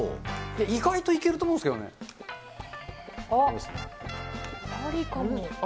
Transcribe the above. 意外といけると思うんですけありかも。